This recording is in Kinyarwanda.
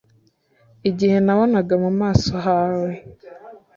Igihe nabonaga mu maso hawe